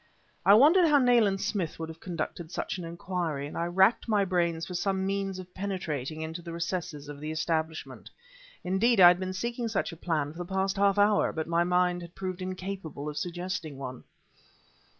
I wondered how Nayland Smith would have conducted such an inquiry, and I racked my brains for some means of penetrating into the recesses of the establishment. Indeed, I had been seeking such a plan for the past half an hour, but my mind had proved incapable of suggesting one.